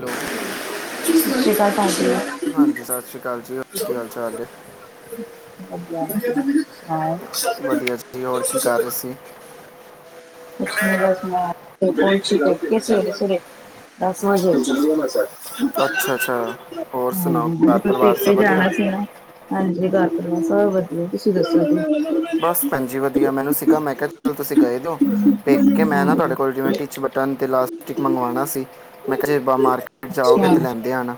Hello ਸਤਿ ਸ੍ਰੀ ਆਕਾਲ ਭਾਜੀ [unintelligible] ਹਾਂਜੀ ਸਸ ਸ਼੍ਰੀ ਕਾਲ ਜੀ ਹੋਰ ਕੀ ਹਾਲ ਚਾਲ ਏ? ਵਧੀਆ ਤੁਸੀ ਸੁਣਾਓ? ਵਧੀਆ ਜੀ ਹੋਰ ਕੀ ਕਰ ਰਹੇ ਸੀ ਕੁੱਛ ਨੀ ਬਸ ਮੈਂ [unintelligible] ਸਵੇਰੇ-ਸਵੇਰੇ ਦਸ ਵਜੇ [unintelligible] ਅੱਛਾ-ਅੱਛਾ ਹੋਰ ਸੁਣਾਓ ਘਰ ਪਰਿਵਾਰ ਸਭ ਤੇ ਵਧੀਆ ਜਾਣਾ ਸੀ ਨਾ, ਹਾਂਜੀ ਘਰ- ਪਰਿਵਾਰ ਸਭ ਵਧੀਆ ਤੁਸੀਂ ਦੱਸੋ ਜੀ? ਬਸ ਭੈਣਜੀ ਵਧੀਆ ਮੈਨੂੰ ਸੀਗਾ ਮੈਂ ਕਿਆ ਚੱਲ ਤੁਸੀਂ ਗਏ ਦਿਓ, ਪੇਕੇ ਮੈਂ ਨਾ ਹਾਂ ਤੁਹਾਡੇ ਕੋਲੋ ਜਿਵੇਂ ਟਿੱਚ ਬਟਨ ਬਟਨ ਤੇ ਇਲਾਸਟਿਕ ਮੰਗਵਾਣਾ ਸੀ, ਮੈਂ ਕਿਆ ਮਾਰਕੀਟ ਜਾਓਗੇ ਤੇ ਅੱਛਾ। ਲੈਂਦੇ ਆਣਾ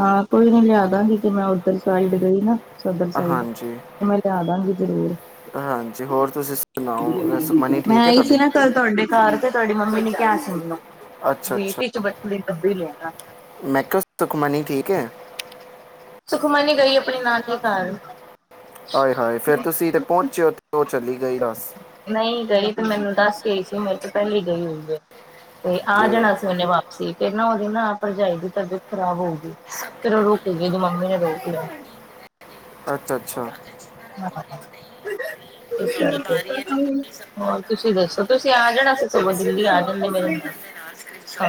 ਹਾਂ ਕੋਈ ਨੀ ਲਿਆ ਦਾਂਗੀ, ਤੇ ਮੈਂ ਉਧਰ ਸਾਈਡ ਗਈ ਨਾ। ਸਦਰ ਸਾਈਡ, ਹਾਂਜੀ ਤੇ ਮੈਂ ਲਿਆ ਦਾਂਗੀ ਜ਼ਰੂਰ। ਹਾਂਜੀ ਹੋਰ ਤੁਸੀਂ ਸੁਣਾਓ ਅ, ਸੁਖਮਨੀ ਮੈਂ ਠੀਕ ਹੈ ਆਈ ਸੀ ਤੁਹਾਡੀ ਨਾ ਕੱਲ ਤਾਡੇ ਘਰ ਤੇ ਤੁਹਾਡੀ ਮੰਮੀ ਨੇ ਕਿਆ ਸੀ ਮੈਨੂੰ, ਅੱਛਾ ਬੀ ਟਿੱਚ ਬਟਨ ਦੀ ਡੱਬੀ ਲੇ ਆਣਾ। ਮੈ ਕਿਆ, ਸੁਖਮਨੀ ਠੀਕ ਹੈ? ਸੁਖਮਨੀ ਗਈ, ਆਪਣੀ ਨਾਨੀ ਘਰ। ਆਏ ਹਾਏ, ਫਿਰ ਤੁਸੀਂ ਤੇ ਪੋਂਚੇ, ਉਹ ਚਲੀ ਗਈ ਦਸ। ਨਈ ਗਈ ਤੇ ਮੈਨੂੰ ਦੱਸ ਗਈ ਸੀ ਮੈਂ ਤੇ ਪਹਿਲੀ ਗਈ ਹੋਈ ਐ, ਤੇ ਆ ਜਾਣਾ ਸੀ ਉਹਨੇ ਵਾਪ ਸੀ, ਫਿਰ ਨਾ ਉਹਦੀ ਨਾ ਪਰਜਾਈ ਦੀ ਤਬੀਅਤ ਖ਼ਰਾਬ ਹੋਗੀ। ਫਿਰ ਉਹ ਰੁਕਗੀ, ਉਹਦੀ ਮੰਮੀ ਨੇ ਰੋਕ ਲਿਆ। ਅੱਛਾ-ਅੱਛਾ-ਅੱਛਾ ਹਾਂ, ਕੁਛ ਨੀ ਕੀ ਹੋਰ ਤੁਸੀਂ ਦੱਸੋ, ਤੁਸੀਂ ਆ ਜਾਣਾ ਸੀ, ਸਗੋਂ ਦਿੱਲੀ ਆ ਜਾਂਦੇ ਮੇਰੇ ਨਾਲ।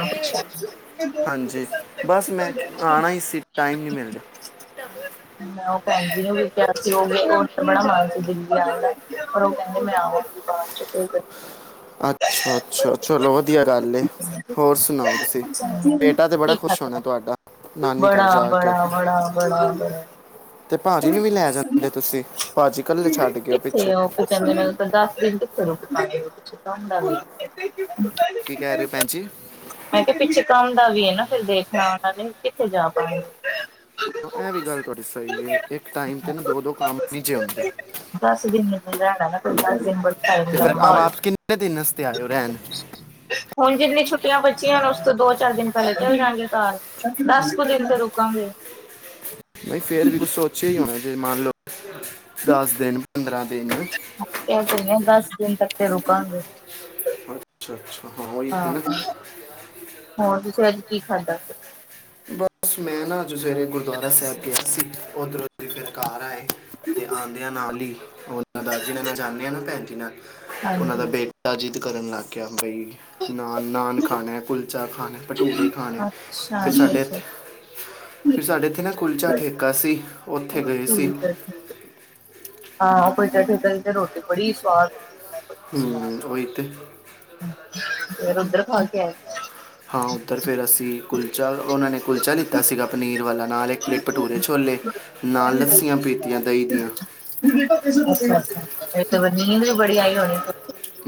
ਤੇ, ਹਾਂਜੀ ਬਸ ਮੈਂ ਕ ਪੁੱਛਿਆ ਆਣਾ ਈ ਸੀ, ਟਾਈਮ ਨੀ ਮਿਲ ਰਿਆ। ਹਾਂ ਉਹ ਭੈਣਜੀ ਨੂੰ ਵੀ ਕਿਹਾ ਸੀ, ਉਹਨਾ ਦਾ ਬੜਾ ਮਨ ਸੀ ਦਿੱਲੀ ਆਉਣ ਦਾ, ਪਰ ਉਹ ਕਹਿਣ ਮੈਂ ਆਉਂਗੀ ਬਾਅਦ 'ਚ, ਕੋਈ ਗੱਲ ਅੱਛਾ-ਅੱਛਾ, ਚਲੋ ਵਧੀਆ ਗੱਲ ਏ, ਹੋਰ ਸੁਣਾਓ ਤੁਸੀਂ? ਬੇਟਾ ਤੇ ਕੀ ਬੜਾ ਖੁਸ਼ ਖਾਦਾ, ਹੋਣਾ ਤੁਹਾਡਾ ਨਾਨੀ ਘਰ ਬੜਾ- ਜਾ ਕੇ ਬੜਾ- ਬੜਾ- ਬੜਾ -ਬੜਾ ਤੇ ਭਾਜੀ ਨੂੰ ਵੀ ਲੈ ਜਾਂਦੇ ਤੁਸੀਂ, ਭਾਜੀ ਕੱਲੇ ਛੱਡ ਗਏ ਓ ਪਿੱਛੇ ਫਿਰ ਤੈਨੂੰ ਇਹਨਾ ਦਾ ਪਤਾ, ਦਸ ਦਿਨ ਕਿੱਥੇ ਰੁਕਣਾ ਏ [unintelligible] ਕੀ ਕਹਿ ਰਹੇ ਹੋ ਭੈਣ ਜੀ ਹਾਂ, ਮੈਂ ਕਿਹਾ ਪਿੱਛੇ ਕੰਮ ਦਾ ਵੀ ਹੈ ਨਾ ਫੇਰ ਦੇਖਣ ਉਹਨਾਂ ਨੇ, ਕਿੱਥੇ ਜਾ ਪਾਏ ਐਹ ਵੀ ਗੱਲ ਤੁਹਾਡੀ ਸਹੀ ਹੈ, ਇੱਕ ਟਾਈਮ ਤੇ ਦੋ -ਦੋ ਕੰਮ ਨੀ ਜਿ ਹੁੰਦੇ ਦਸ ਦਿਨ ਰਹਿਣਾ ਨਾ, ਫਿਰ ਦਸ ਦਿਨ ਬ ਤੇ ਫੇਰ ਆਪ ਕਿੰਨੇ ਦਿਨ ਵਾਸਤੇ ਆ ਰਹੇ ਰਹਿਣ ਹੁਣ ਜਿੰਨੀਆਂ ਛੁੱਟੀਆਂ ਬੱਚੀਆਂ ਉਸ ਤੋਂ ਦੋ -ਚਾਰ ਦਿਨ ਪਹਿਲਾਂ ਚਲ ਜਾਂਗੇ ਘਰ ਦੱਸ ਕੁ ਦਿਨ ਤਾਂ ਰੁਕਾਂਗੇ ਨਹੀਂ ਫਿਰ ਵੀ ਕੁਛ ਸੋਚਿਆ ਹੀ ਹੋਣਾ ਜੇ ਮੰਨ ਲਓ, ਦਸ ਦਿਨ, ਪੰਦਰਾਂ ਦਿਨ ਐਸੇ ਹੀ ਹੈਂ, ਦਸ ਦਿਨ ਤੱਕ ਤੇ ਰੁਕਾਂਗੇ ਅੱਛਾ ਅੱਛਾ ਉਹ ਤੇ ਹਾਂ, ਨਾ ਹੋਰ ਤੁਸੀਂ ਅੱਜ ਕੀ ਖਾਧਾ ਬਸ ਮੈਂ ਨਾ ਅਜ ਸਵੇਰੇ ਗੁਰਦੁਆਰਾ ਸਾਹਿਬ ਗਿਆ ਸੀ, ਉਧਰੋਂ ਦੀ ਫੇਰ ਘਰ ਆਏ ਤੇ ਆਉਂਦਿਆਂ ਨਾਲ ਹੀ, ਉਹਨਾਂ ਦਾ ਜਿੰਨਾ ਨਾਲ ਜਾਂਦੇ ਆ ਨਾ ਭੈਣ ਜੀ ਨਾਲ ਉਹਨਾਂ ਦਾ ਹਾਂਜੀ ਬੇਟਾ ਜਿੱਦ ਕਰਨ ਲੱਗ ਗਿਆ ਬਈ, ਨਾਨ, ਨਾਨ ਖਾਣਾ ਕੁਲ ਬੱਚਾ ਖਾਣਾ, ਭਟੂਰੇ ਖਾਣੇ ਅੱਛਾ ਅੱਛਾ, ਅੱਛਾ-ਅੱਛਾ ਫੇਰ ਸਾਡੇ ਇੱਥੇ ਨਾ ਕੁਲਚਾ ਠੇਕਾ ਸੀ, ਉੱਥੇ ਗਏ ਸੀ ਠੀਕ ਹਾਂ ਕੁਲਚੇ ਠੇਕੇ ਤੇ ਰੋਟੀ ਬੜੀ ਸਵਾਦ ਹੁੰਦੀ ਹਮ, ਉਹੀ ਤੇ ਫੇਰ ਉੱਧਰ ਖਾ ਕੇ ਆਏ ਹਾਂ ਉੱਧਰ ਫੇਰ ਅਸੀਂ ਕੁਲਚਾ ਉਹਨਾਂ ਨੇ ਕੁਲਚਾ ਲਿੱਤਾ ਸੀਗਾ ਪਨੀਰ ਵਾਲਾ, ਨਾਲ ਇੱਕ ਪਲੇਟ ਭਟੂਰੇ- ਛੋਲੇ ਨਾਲ ਲੱੱਸੀਆਂ ਪੀਤੀਆਂ ਦਹੀ ਦੀਆਂ ਅੱਛਾ ਅੱਛਾ, ਫੇਰ ਤੇ ਨੀਂਦ ਵੀ ਬੜੀ ਆਈ ਹੋਣੀ।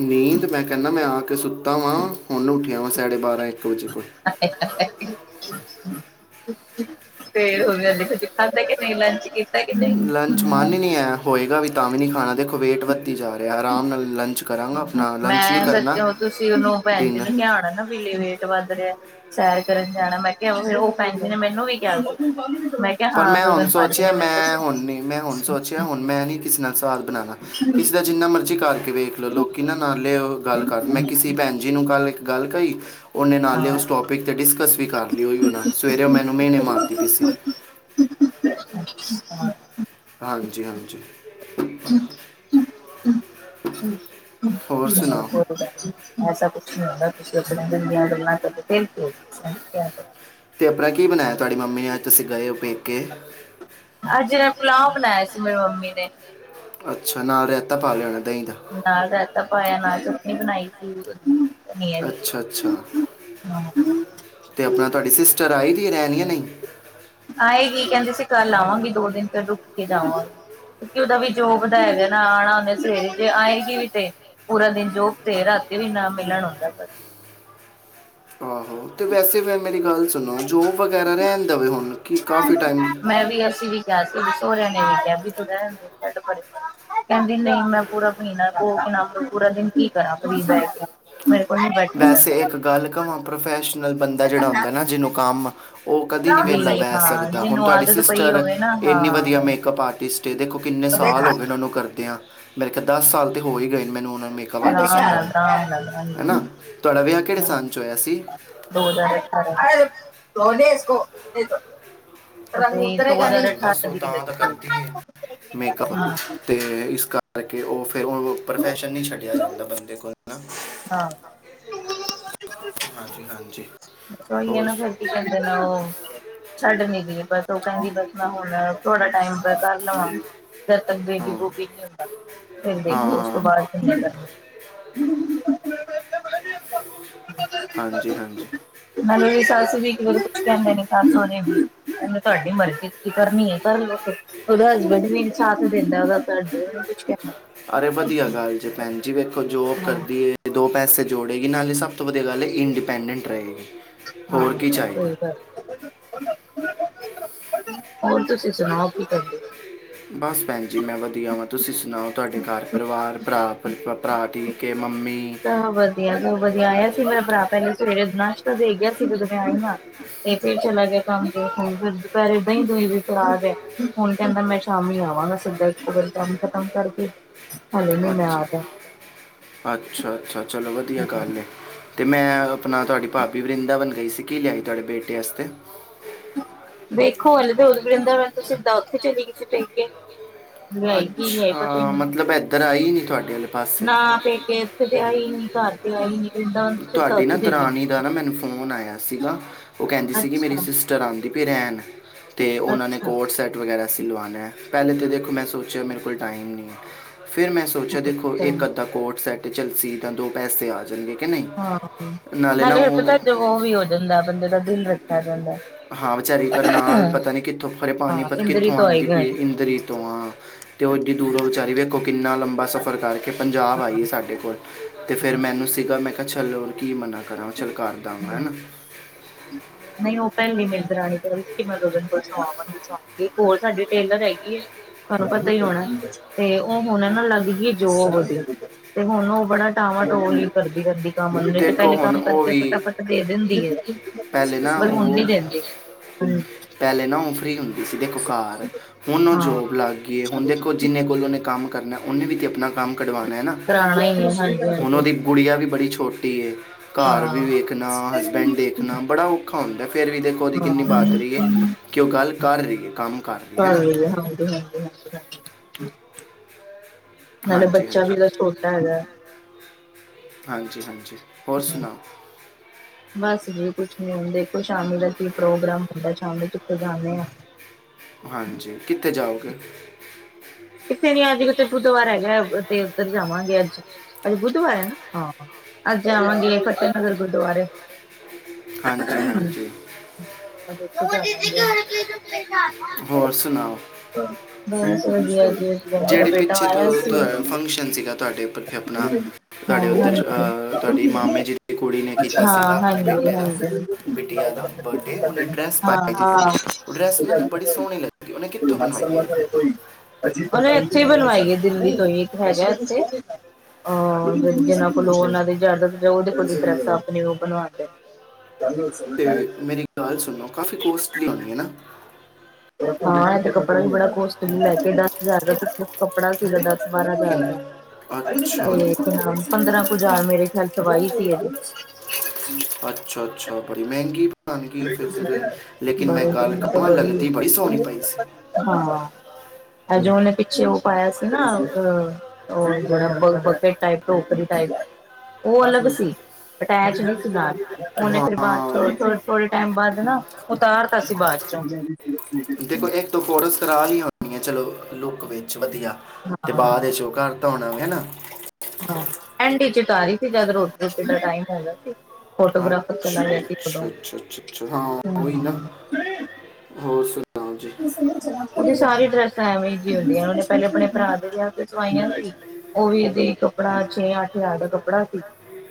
ਨੀਂਦ ਮੈਂ ਕਹਿੰਦਾ ਮੈਂ ਆ ਕੇ ਸੁੱਤਾ ਵਾਂ ਹੁਣ ਉੱਠਿਆ ਵਾਂ ਸਾਡੇ ਬਾਰਾਂ ਇੱਕ ਵਜੇ। ਫੇਰ [unintelligible] [inaudible] ਨਹੀਂ। ਲੰਚ ਮਨ ਈ ਨੀ ਐ ਹੋਏਗਾ ਵੀ ਤਾਂ ਵੀ ਨੀ ਖਾਣਾ ਦੇਖੋ। ਵੇਟ ਵਦੀ ਜਾ ਰਿਆ ਆਰਾਮ ਨਾਲ ਲੰਚ ਕਰਾਂਗਾ ਆਪਣਾ ਲੰਚ ਨੀ ਮੈਂ ਕਰਨਾ ਡਿਨਰ ਵੀਲੇ ਵੇਟ ਵੱਧ ਰਿਆ। ਸੈਰ ਕਰਨ ਜਾਣਾ ਮੈਂ ਕਿਹਾ ਫਿਰ ਉਹ ਭੈਣ ਜੀ ਨੇ ਮੈਨੂੰ ਵੀ ਕਿਹਾ ਮੈਂ ਕਿਹਾ ਪਰ ਹਾਂ ਮੈਂ ਹੁਣ ਗਗਨ ਭਾਜੀ ਸੋਚਿਆ ਨੇ ਮੈਨੂੰ ਮੈਂ ਦੱਸਿਆ। ਹੁਣ ਨੀ ਮੈਂ ਹੁਣ ਸੋਚਿਆ ਹੁਣ ਮੈਂ ਨੀ ਕਿਸੇ ਨਾਲ ਸਾਥ ਬਣਾਣਾ ਕਿਸੇ ਦਾ ਜਿੰਨਾ ਮਰਜ਼ੀ ਕਰਕੇ ਵੇਖ ਲੋਕੀ ਨਾ ਨਾਲੇ ਉਹ ਗੱਲ ਕਰ ਮੈਂ ਕਿਸੇ ਭੈਣ ਜੀ ਨੂੰ ਕੱਲ ਇੱਕ ਗੱਲ ਕਈ ਉਹਨੇ ਨਾਲੇ ਹਾਂ। ਉਹ ਸਟੋਪ ਤੇ ਡਿਸਕਸ ਵੀ ਕਰ ਲਈ ਹੋਈ ਉਹ ਨਾ ਸਵੇਰੇ ਮੈਨੂੰ ਮੇਨੇ ਮਾਰਦੀ ਪਈ ਸੀ। ਹਾਂਜੀ ਹਾਂਜੀ, ਹੋਰ [inaudible] ਐਸਾ ਸੁਣਾਓ ਕੁਛ ਨੀ ਹੁੰਦਾ [unintelligible] ਤੇ ਆਪਣਾ ਕੀ ਬਣਾਇਆ ਤੁਹਾਡੀ ਮੰਮੀ ਨੇ ਅੱਜ ਤੁਸੀਂ ਗਏ ਔ ਪੇਕੇ? ਅੱਜ ਨੇ ਪੁਲਾਓ ਬਣਾਇਆ ਸੀ ਮੇਰੀ ਮੰਮੀ ਨੇ, ਅੱਛਾ ਨਾਲ ਰੇਤਾ ਪਾ ਲੈਣਾ ਦਹੀਂ ਦਾ, ਨਾਲ ਰਾਇਤਾ ਪਾਇਆ ਨਾਲ ਚਟਨੀ ਬਣਾਈ ਸੀ। ਅੱਛਾ ਅੱਛਾ ਹਾਂ, ਤੇ ਆਪਣਾ ਤੁਹਾਡੀ ਸਿਸਟਰ ਆਈ ਦੀ ਐ ਰਹਿਣ ਕੀ ਨਈ। ਆਏਗੀ ਕਹਿੰਦੇ ਸੀ ਕੱਲ ਆਵਾਂਗੇ ਦੋ ਦਿਨ ਤੇ ਰੁਕ ਕੇ ਜਾਵਾਂਗੇ। ਕਿਉਂਕਿ ਉਹਦਾ ਵੀ ਜੋ ਵਧਾਏ ਜਾ ਨਾ ਆਣਾ ਉਹਨੇ ਸਵੇਰੇ ਜੇ ਆਏਗੀ ਵੀ ਤੇ ਪੂਰਾ ਦਿਨ ਜੋ ਤੇ ਰਾਤੀ ਵੀ ਨਾ ਮਿਲਣ ਆਦਾ ਆਹੋ ਤੇ ਵੈਸੇੈਂ ਮੇਰੀ ਗੱਲ ਸੁਣੋ ਜੋਬ ਵਗੈਰਾ ਰਹਿਣ ਦੇਵੇ ਹੁਣ ਕਿ ਕਾਫੀ ਟਾਈਮ ਮੈਂ ਵੀ ਅਸੀਂ ਵੀ ਕਿਹਾ ਸੀ ਵੀ ਸਹੁਰਿਆਂ ਨੇ ਵੀ ਕਿਹਾ ਵੀ ਤੂੰ ਰਹਿਣ ਦੇ ਛੱਡ ਪਰੇ। ਕਹਿੰਦੀ ਨਈ ਮੈਂ ਪੂਰਾ ਪੀਣਾ ਕੋਕ ਕੇ ਨਾ ਪੂਰਾ ਦਿਨ [unintelligible] ਮੇਰੇ ਕੋਲ ਨੀ ਬੈਠਾ ਵੈਸੇ ਜਾਂਦਾ। ਇੱਕ ਗੱਲ ਕਵਾਂ ਪ੍ਰੋਫੈਸ਼ਨ ਬੰਦਾ ਜਿਹੜਾ ਹੁੰਦਾ ਨਾ ਜਿਹਨੂੰ ਕੰਮ, ਉਹ ਕਦੇ ਨੀ ਵੇਹਲਾ ਵੀ ਬਹਿ ਹਾਂ ਸਕਦਾ ਹੁਣ ਜਿਹਨੂੰ ਤੁਹਾਡੀ ਆਦਤ ਪਈ ਸਿਸਟਰ ਐ ਹੋਵੇ ਨਾ ਹਾਂ ਇੰਨੀ ਵਧੀਆ ਹਾਂਜੀ। ਮੇਕਅਪ ਆਰਟਿਸਟ ਤੇ ਦੇਖੋ ਕਿੰਨੇ ਸਾਲ ਹੋ ਗਏ ਉਹਨਾਂ ਨੂੰ ਕਰਦੇ ਆ, ਮੇਰੇ ਕਿਹਾ ਦਸ ਸਾਲ ਤੇ ਹੋ ਈ ਗਏ ਨੇ ਮੈਨੂੰ ਉਹ ਨੂੰ ਮੇ ਹੈ ਨਾ ਤੁਹਾਡਾ ਵਿਆਹ ਕਿਹੜੇ ਸਨ 'ਚ ਹੋਇਆ ਸੀ? ਦੋ ਹਜਾਰ ਅਠਾਰਾ ਚ [unintelligible] ਦੋ ਹਜਾਰ ਅਠਾਰਾ ਚ ਮੇਕਅੱਪ ਤੇ ਇਸ ਕਰਕੇ ਉਹ ਫਿਰ ਉਹ ਪ੍ਰੋਫੈਸ਼ਨ ਨੀ ਛੱਡਿਆ ਜਾਂਦਾ ਬੰਦੇ ਕੋਲ ਹਾਂਜੀ-ਹਾਂਜੀ, ਉਹੀ ਹੈ ਹੋਰ? ਨਾ ਫਿਰ ਕੀ ਕਹਿੰਦੇ ਨੇ ਉਹ ਛੱਡ [unintelligible] ਉਹ ਕਹਿੰਦੀ ਬਸ ਮੈਂ ਹੁਣ ਥੋੜਾ ਟਾਈਮ ਕਰ ਲਵਾਂਗੇ, ਜਦ ਤੱਕ ਬੇਬੀ ਹਾਂ ਬੂਬੀ ਨੀ ਹੁੰਦਾ। ਫਿਰ ਹਾਂ ਦੇਖੋ ਉਸ ਹਾਂ ਤੋਂ ਬਾਦ ਹਾਂਜੀ ਹਾਂਜੀ ਹਲੇ ਸੱਸ ਵੀ ਕਿ ਕੁਛ ਕਹਿੰਦੇ ਨੇ ਸੱਸ ਹੋਵੇ। ਕਹਿੰਦੇ ਤੁਹਾਡੀ ਮਰਜ਼ੀ ਤੁਸੀ ਕਰਨੀ ਐ ਕਰਲੋ ਫਿਰ ਉਹਦਾ ਹਸਬੈਂਡ ਵੀ ਸਾਥ ਦਿਗਾ ਵਾ ਘਰ ਦੇ ਓਹਨੂੰ ਕੁਛ ਅਰੇ ਵਧੀਆ ਗੱਲ ਜੇ ਭੈਣ ਜੀ ਵੇਖੋ ਜੋਬ ਹਾਂ ਕਰਦੀ ਐ। ਦੋ ਪੈਸੇ ਜੋੜੇਗੀ ਨਾਲੇ ਸਭ ਤੋਂ ਵਧੀਆ ਗੱਲ ਇੰਡੀਪੈਂਡੈਂਟ ਰਹੇਗੀ ਹਾਂ ਹੋਰ ਕੀ ਚਾਹੀਦਾ ਉਹੀ ਗੱਲ ਹੋਰ ਤੁਸੀਂ ਸੁਣਾਓ ਕੀ ਕਰਦੇ ਹੋ ਬਸ ਭੈਣ ਜੀ ਮੈਂ ਵਧੀਆ ਵਾਂ ਤੁਸੀਂ ਸੁਣਾਓ ਤੁਹਾਡੇ ਘਰ ਪਰਿਵਾਰ ਭਰਾ ਭਰਾ ਠ ਕਿ ਮੰਮੀ ਹੋ ਵਧੀਆ ਤ ਵਧੀਆ ਆਇਆ ਸੀ ਮੇਰਾ ਭਰਾ ਪਹਿਲੇ ਸਵੇਰੇ ਨਸ਼ਤਾ ਦੇ ਗਿਆ ਸੀ ਜਦੋਂ ਮੈਂ ਆਈ ਹਾਂ ਤੇ ਫੇਰ ਚਲਾ ਗਿਆ ਕੰਮ ਤੇ ਹੁਣ ਫਿਰ ਦੁਪਹਿਰੇ ਏਦਾਂ ਹੀ ਦਈ ਦੂਈ ਵੀ ਫੜਾ ਗਿਆ ਹੁਣ ਕਹਿੰਦਾ ਮੈਂ ਸ਼ਾਮੀ ਆਵਾਂਗਾ ਸਿੱਧਾ ਇਥੇ ਫੇਰ ਕੰਮ ਖਤਮ ਕਰਕੇ ਹਲੇ ਨੀ ਮੈਂ ਹਾਜੀ ਆ ਰਿਹਾ ਅੱਛਾ ਅੱਛਾ ਅੱਛਾ ਚਲੋ ਵਧੀਆ ਗੱਲ ਹੈ ਤੇ ਮੈਂ ਆਪਣਾ ਤੁਹਾਡੀ ਭਾਬੀ ਵਰਿੰਦਾ ਬਨ ਗਈ ਸੀ ਕਿ ਲਿਆਈ ਤੁਹਾਡੇ ਬੇਟੇ ਵਾਸਤੇ ਦੇਖੋ ਹਲੇ ਤੇ ਉਹਦ ਵਰਿੰਦਾਬਨ ਤੋ ਸੀਦਾ ਉੱਥੇ ਚਲੀ ਗਏ ਸੀ ਪੇਕੇ ਲਿਆਈ ਕੀ ਲਿਆਈ ਪਤਾ ਨੀ ਅੱਛਾ ਮਤਲਬ ਇੱਧਰ ਮੈਨੂੰ, ਆਈ ਨਹੀਂ ਤੁਹਾਡੇ ਵਾਲੇ ਪਾਸੇ ਨਾ ਪੇਕੇ ਏਥੇ ਤੇ ਆਈ ਨੀ ਘਰ ਤੇ ਆਈ ਨੀ ਵ੍ਰਿੰਦਾਵਨ ਤੇ ਸਿੱਧਾ ਤੁਹਾਡੀ ਨਾ ਉੱਥੇ ਚਲੀ ਦਰਾਣੀ ਦਾ ਗਈ ਨਾ ਮੈਨੂੰ ਫ਼ੋਨ ਆਇਆ ਸੀਗਾ ਉਹ ਕਹਿੰਦੀ ਸੀਗੀ ਮੇਰੀ ਅੱਛਾ ਸਿਸ ਸਿਸਟਰ ਆਉਦੀ ਪ ਰਹਿਣ ਤੇ ਉਹਨਾਂ ਨੇ ਅੱਛਾ ਕੋਟ ਸੈਟ ਵਗੈਰਾ ਸਿਲਵਾਣਾ ਏ ਪਹਿਲੇ ਤੋ ਦੇਖੋ ਮੈਂ ਸੋਚਿਆ ਮੇਰੇ ਕੋਲ ਟਾਈਮ ਨਹੀਂ ਫਿਰ ਮੈਂ ਸੋਚ ਸੋਚਿਆ ਦੇਖੋ ਇੱਕ ਅੱਛਾ ਅੱਧਾ ਕੋਟ ਸੈੱਟ ਚੱਲ ਸੀਦਾ ਦੋ ਪੈਸੇ ਆ ਜਾਣਗੇ ਕਿ ਨਹੀਂ ਹਾਂ ਨਾ ਨਾਲੇ ਇਹ ਉਹ ਪਤਾ ਜ ਉਹ ਵੀ ਹੋ ਜਾਂਦਾ ਬੰਦੇ ਦਾ ਦਿਲ ਰੱਖਿਆ ਜਾਂਦਾ ਹਾਂ ਵਿਚਾਰੀ ਕਰਨਨਾਲ ਪਤਾ ਨੀ ਕਿੱਥੋਂ ਖਰੇ ਹਾਂ ਪਾਣੀਪਤ ਇੰਦਰੀ ਕਿੱਥੋਂ ਤੋਂ ਆਈ ਆਉਂਦੀ ਗਏ ਪੀ ਇੰਦਰੀ ਤੋਂ ਹਾਂ ਤੇ ਉਹ ਇਡੀ ਦੂਰੋਂ ਵਿਚਾਰੀ ਵੇਖੋ ਕਿੰਨਾ ਲੰਬਾ ਸਫ਼ਰ ਕਰਕੇ ਪੰਜਾਬ ਆਈਏ ਸਾਡੇ ਕੋਲ ਅਤੇ ਫਿਰ ਮੈਨੂੰ ਸੀਗਾ ਮੈਂ ਕਿਹਾ ਚੱਲੋ ਕੀ ਮੰਨਾ ਕਰਾ ਚੱਲ ਕਰਦਾਗਾ ਹਨਾ ਹਾਂ ਨਹੀਂ ਉਹ ਪੈਲੀ ਮੇਰੀ ਦਰਾਣੀ ਕਹ ਰਦੀ ਸੀ ਕਿ ਮੈ ਓਥੇ ਕੋਲ ਸੁਵਾਵਾਂਗੀ ਇੱਕ ਹੋਰ ਸਾਡੀ ਟੇਲਰ ਹੈਗੀ ਹੈ ਤੁਹਾਨੂੰ ਪਤਾ ਹੀ ਹੋਣਾ ਤੇ ਉਹ ਹੁਣ ਇਹ ਨਾ ਲੱਗ ਗਈ ਜੋ ਵਧੀਆ ਤੇ ਹੁਣ ਉਹ ਬੜਾ ਟਾਵਾਂ ਟੋਲ ਕਰਦੀ ਰਹਿੰਦੀ ਕੰਮ ਨਹੀ ਤੇ ਨੇ ਦੇਖੋ ਪਹਿਲੇ ਹੁਣ ਕੰਮ ਉਹ ਕਰਕੇ ਵੀ ਫਟਾਫਟ ਦੇ ਦਿੰਦੀ ਹੈ ਪਹਿਲੇ ਨਾ ਪਰ ਹੁਣ ਉਹ ਨੀ ਦੇਦੀ ਪਹਿਲੇ ਨਾ ਉਹ ਫ੍ਰਰੀ ਹੁੰਦੀ ਸੀ ਦੇਖੋ ਘਰ ਹੁਣ ਉਹ ਹਾਂ ਜੋਬ ਲੱਗ ਗਈ ਹੁਣ ਦੇਖੋ ਜਿੰਨੇ ਕੋਲ ਉਹਨੇ ਕੰਮ ਕਰਨਾ ਹੈ ਉਹਨੇ ਵੀ ਆਪਣਾ ਕੰਮ ਕਢਵਾਉਣਾ ਹੈ ਨਾ ਦਰਾਣੀ ਹੈ ਹਾਂਜੀ ਹਾਂਜੀ ਗੁੜੀਆਂ ਵੀ ਬੜੀ ਛੋਟੀ, ਹੈ ਘਰ ਵੀ ਹਾਂ ਵੇਖਣਾ, ਹਸਬੈਂਡ ਦੇਖਣਾ ਬੜਾ ਔਖਾ। ਔਖਾ ਉਂਦਾ ਫੇਰ ਵੀ ਦੇਖੋ, ਉਹਦੀ ਕਿੰਨੀ ਹਾਂ ਬਾਦਰੀ ਰਹੀਏ ਕਿ ਉਹ ਗੱਲ ਕਰ ਰਹੀਏ, ਕੰਮ ਕਰ ਰਹੀ ਹਨਾ। ਹਾਂਜੀ -ਹਾਂਜੀ -ਹਾਂਜੀ। ਨਾਲੇ ਹਾਂਜੀ ਬੱਚਾ ਵੀ ਉਹਦਾ ਹਾਂਜੀ ਛੋਟਾ ਹੈਗਾ। ਹਾਂਜੀ- ਹਾਂਜੀ, ਹੋਰ ਸੁਣਾਓ। ਬਸ ਜੀ ਕੁਛ ਨੀ ਹੁਣ ਦੇਖੋ, ਸ਼ਾਮੀ ਦਾ ਕੀ ਪ੍ਰੋਗਰਾਮ ਹੁੰਦਾ ਸ਼ਾਮੀ। ਜਾਂਦੇ ਆ। ਹਾਂਜੀ ਕਿੱਥੇ ਜਾਓਗੇ? ਕਿੱਥੇ ਨੀ, ਅੱਜ ਕਿ ਬੁੱਧਵਾਰ ਹੈਗਾ, ਤੇ ਉੱਧਰ ਜਾਵਾਂਗੇ। ਅੱਜ- ਅੱਜ ਬੁੱਧਵਾਰ ਹੈ ਨਾ, ਹਾਂ। ਅੱਜ ਜਾਵਾਂਗੇ ਫ਼ਤਿਹ ਨਗਰ ਗੁਰਦੁਆਰੇ। ਹਾਂਜੀ ਫਤਹਿ ਹਾਂਜੀ ਜਵਾ ਹੋਰ ਸੁਣਾਓ। ਬਸ, ਵਧੀਆਂ। ਜਿਹੜੀ ਪਿੱਛੇ ਤੋਂ ਫੰਕਸ਼ਨ ਸੀਗਾ ਤੁਹਾਡੇ ਉੱਪਰ, ਫ ਆਪਣਾ। ਹਾਂ ਤੁਹਾਡੇ ਉੱਧਰ ਹਾਂਜੀ ਐ ਤੁਹਾਡੀ ਮਾਮੇ ਜੀ ਦੀ ਕੁੜੀ ਨੇ ਕੀਤਾ ਸੀਗਾ ਹਾਂ ਆਪਣੇ ਹਾਂਜੀ ਬੇਟੇ ਦਾ। ਹਾਂਜੀ ਬਿਟਆ ਦਾ ਬਰਥਡੇ ਔ ਨੇ ਡੈਸ ਹਾਂ ਪਾਕੇ ਜਾਣੀ ਏ, ਔ ਡੈਸ ਨਾ, ਮੈਨੂੰ ਬੜੀ ਸੋਹਣੀ ਲੱਗੀ। ਉਹਨੇ ਕਿੱਥੋਂ ਬਣਵਾਈ ਐ? ਉਹਨੇ ਇੱਥੇ ਈ ਬਣਵਾਈ ਹੈ, ਦਿੱਲੀ ਤੋਂ ਹੀ ਇੱਕ ਹੈਗਾ ਇੱਥੇ। ਹਾਂ, ਜਿਹਨਾਂ ਕੋਲ ਉਹਨਾਂ ਦੀ ਜੈਯਾਦਾਂ ਏ, ਉਹਦੇ ਕੋਲ ਡਰੈੱਸ ਆਪਣੀ ਉਹ ਬਣਵਾਉਂਦੇ ਨੇ। [unintelligible] ਤੇ ਮੇਰੀ ਗਲ ਸੁਣੋ, ਕਾਫੀ ਕੋਸਟਲੀ ਹੁੰਣੀ ਹੈ ਨਾ। ਹਾਂ, ਐ ਤੇ ਕੱਪੜਾ ਵੀ ਬੜਾ ਕੋਸਟਲੀ ਲੈ ਕੇ, ਦਸ ਹਜ਼ਾਰ ਦਾ ਸਿਰਫ਼ ਕੱਪੜਾ ਸੀਗਾ। ਬਾਰਾਹ ਕਿ ਹਜ਼ਾਰ ਦਾ ਅੱਛਾ ਉਹੀ ਤੇ ਨਾ ਪੰਦਰਾਹ ਕੁ ਹਜ਼ਾਰ ਮੇਰੇ ਖਿਆਲ ਸਵਾਹੀ ਸੀ ਇਹਦੀ। ਅੱਛਾ -ਅੱਛਾ, ਬੜੀ ਮਹਿੰਗੀ। ਮਹੰਗੀ ਐ ਤੇ ਫਿਰ ਲੇਕਿਨ ਮੈਂ ਬੜੇ ਗੱਲ ਦਿਨ ਤੋਂ ਕਵਾਂ, ਲੱਗਦੀ ਬੜੀ ਸੋਹਣੀ ਪਈ ਸੀ। ਹਾਂ ਜੋ ਉਹਨੇ ਪਿੱਛੇ ਉਹ ਪਾਇਆ ਸੀ ਨਾ ਆ। ਉਹੜ ਬ ਬਕੇਟ ਟਾਈਪ ਤੋਂ ਉਕਰੀ ਟਾਈਪ। ਉਹ ਅਲੱਗ ਸੀ ਅਟੈਚ ਨੀ ਸੀ ਨਾਲ। ਉਹਨੇ ਫੇਰ ਬਾਅਦ ਚ, ਹਾਂ ਥੋੜੇ ਥੋੜੇ ਟਾਈਮ ਬਾਅਦ ਨਾ, ਉਤਾਰ ਤਾਂ ਸੀਂ, ਬਾਅਦ ਚ ਆਉਦੇ। ਦੇਖੋ, ਇੱਕ ਦੋ ਫੋਟੋਸ ਕਰਾ ਲਈਆ ਉਦਿਆਂ, ਚਲੋ ਲੁੱਕ ਵਿੱਚ ਵਧੀਆ, ਤੇ ਹਾਂ ਬਾਅਦ ਵਿੱਚ ਉਹ ਘਰ। ਧੋਣੋ ਗੇ ਨਾ ਹਾਂ, ਐਂਡ ਈਚ ਉਤਾਹੀ ਸੀ, ਜਦ ਰੋਟੀ -ਰੋਟੀ ਦਾ ਟਾਈਮ ਹੋ ਗਿਆ ਸੀ। ਅੱਛਾ- ਫੋਟੋਗ੍ਰਾਫਰ ਚਲਾ ਅੱਛਾ- ਗਿਆ ਸੀ ਅੱਛਾ ਉਦੋਂ -ਅੱਛਾ -ਅੱਛਾ ਹਾਂ ਔਹੀ ਨਾ। ਹਮ ਹੋਰ ਸੁਣਾਓ ਜੀ। ਉੇਹ ਸਾਰੀ ਡਰੈਸਾਂ ਐਵੇਂ ਹੀ ਜਿਹੀ ਹੁੰਦੀਆਂ ਨੇ ਔਨੇ ਪਹਿਲੇ ਆਪਣੇ ਭਰਾ ਜ ਸਵਾਈਆਂ ਸੀ ਉਹ ਵੀ, ਇਹਦੇ ਕੱਪੜਾ ਛੇ ਅੱਠ ਹਜ਼ਾਰ ਦਾ ਕੱਪੜਾ ਸੀ।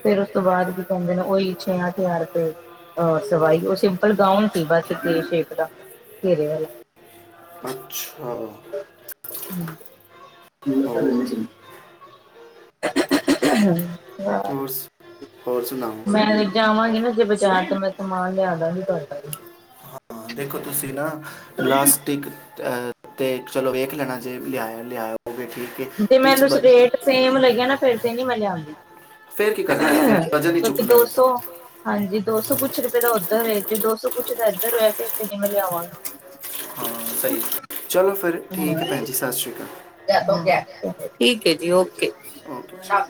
ਫੇਰ ਉਸ ਤੋਂ ਬਾਅਦ ਕੀ ਕਹਿੰਦੇ ਨੇ, ਉਹੀ ਛੇ -ਅਠ ਹਜ਼ਾਰ ਰੁਪਏ ਆ ਸਵਾਈ ਔ ਸੀ। ਬਸ ਗਾਉਣ ਸੀ ਬਸ ਵੀ -ਸ਼ੇਪ ਦਾ, ਘੇਰੇ ਵਾਲਾ। ਅੱਛਾ। ਹੋਰ [unintelligible] [unintelligible] ਹੋਰ ਹੋਰ ਸੁਣਾਓ। ਮੈਂ ਜਾਵਾਂਗੀ ਨਾ ਜੇ ਬਚਾਰ, ਤੇ ਮੈਂ ਸਮਾਨ ਲਿਆ ਦਾਂਗੀ ਤੁਹਾਡਾ ਵੀ। ਹਾਂ, ਦੇਖੋ ਤੁਸੀਂ ਨਾ ਲਾਸਟ ਲਾਸਟਿਕ ਤੇ ਚਲੋ ਵੇਖ ਲੈਣਾ ਜੇ ਲਿਆਇ ਲਿਯਾਆ ਹੋਵੇ ਠੀਕ। ਹੈ ਜੇ ਟੀਚ ਮੈਨੂੰ ਬਸ ਰੇਟ ਸੇਮ ਲੱਗਿਆ ਨਾ ਫਿਰ ਤੇ ਨੀ, ਮੈਂ ਲਉਂਦੀ। ਫੇਰ ਕੀ ਕਰਨਾ ਜੇ ਫੇਰ ਤੇ ਵਜ਼ਨ ਈ ਚੁੱਕਣਾ ਦੋ ਜੀ। ਸੌ ਹਾਂਜੀ, ਦੋ ਸੌ ਕੁਛ ਰੁਪਏ ਤਾਂ ਉੱਧਰ ਹੈ। ਜੇ ਦੋ ਸੌ ਕੁਛ ਦਾ ਇੱਧਰ ਹੋਇ ਤੇ ਫੇਰ ਤੇ ਨੀ ਮੈਂ ਲਿਆਵਾਂਗੀ। ਹਾਂ, ਸਹੀ, ਚਲੋ ਫਿਰ ਠੀਕ ਹੈ, ਭੈਣ ਜੀ। ਸਤਿ ਸ੍ਰੀ ਅਕਾਲ। ਠੀਕ ਹੈ ਜੀ ਓਕੇ ਓਕੇ ਜੀ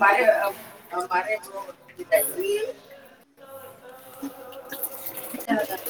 ਮ ਜੋ [inaudible] ਅੱ [inaudible]